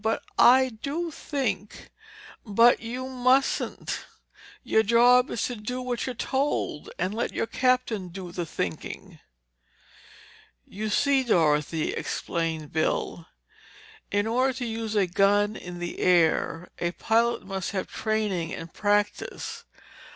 But I do think—" "But you mustn't! Your job is to do what you're told and let your captain do the thinking." "You see, Dorothy," explained Bill, "in order to use a gun in the air, a pilot must have training and practice.